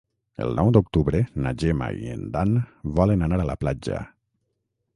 El nou d'octubre na Gemma i en Dan volen anar a la platja.